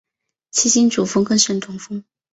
七星主峰更胜东峰